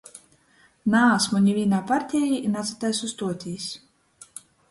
Naasmu nivīnā partejā i nasataisu stuotīs.